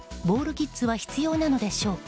キッズは必要なのでしょうか？